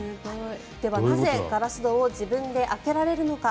では、なぜガラス戸を自分で開けられるのか。